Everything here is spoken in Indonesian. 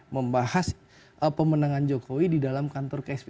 membahas pemenangan jokowi di dalam kantor ksp